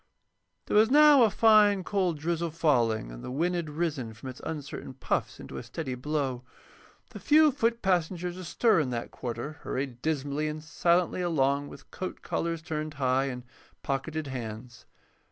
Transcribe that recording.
There was now a fine, cold drizzle falling, and the wind had risen from its uncertain puffs into a steady blow. The few foot passengers astir in that quarter hurried dismally and silently along with coat collars turned high and pocketed hands.